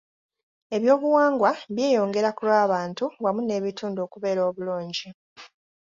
Ebyobuwangwa byeyongera ku lw'abantu wamu n'ebitundu okubeera obulungi.